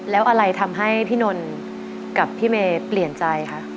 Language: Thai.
แล้วอะไรทำให้พี่นนกับพี่เมย์เปลี่ยนใจคะ